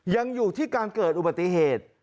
ยังอยู่ที่การเกิดอุบัติเหตุ